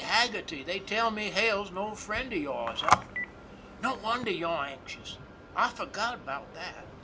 " Say, Haggerty, they tell me Hale's an old friend of yours, h'm? No wonder you're anxious. I forgot about that.